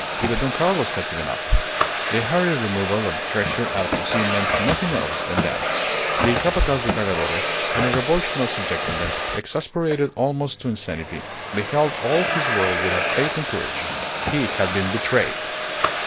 Even Don Carlos had given up. The hurried removal of the treasure out to sea meant nothing else than that. The Capataz de Cargadores, on a revulsion of subjectiveness, exasperated almost to insanity, beheld all his world without faith and courage. He had been betrayed!